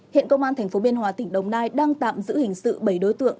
hiện công an thành phố bình hòa tỉnh đồng nai đang tạm giữ hình sự bảy đối tượng